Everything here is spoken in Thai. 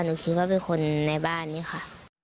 หนูคิดว่าเป็นคนในบ้านนี้ค่ะ